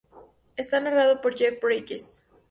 Está narrado por Jeff Bridges.